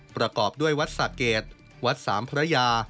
ประกอบด้วยวัดสะเกดวัดสามพระยา